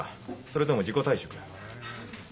それとも自己退職？はあ。